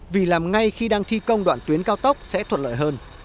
vì làm ngay khi đang thi công đoạn tuyến cao tốc sẽ thuận lợi hơn